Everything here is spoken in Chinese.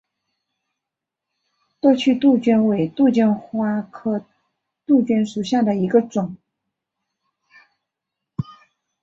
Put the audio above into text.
多趣杜鹃为杜鹃花科杜鹃属下的一个种。